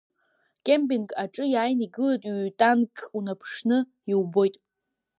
Кемпинг аҿы иааины игылеит ҩҩ-танкк, унаԥшны иубоит.